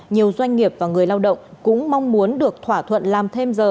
nhiều doanh nghiệp và người lao động cũng mong muốn được thỏa thuận làm thêm giờ